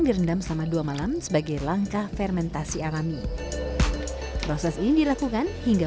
direndam selama dua malam sebagai langkah fermentasi alami proses ini dilakukan hingga